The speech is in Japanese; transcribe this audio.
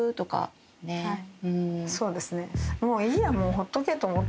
そうですね。